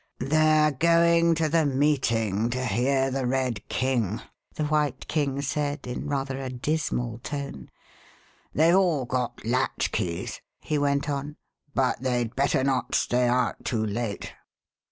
Alice goes to Chesterfield They're going to the meeting to hear the Red King," the White King said, in rather a dismal tone. "TheyVe all got latchkeys," he went on, but they'd better not stay out too late."